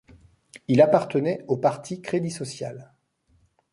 Il appartenait au parti Crédit social.